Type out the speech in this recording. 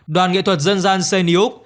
đoàn nghệ thuật dân gian sê ni út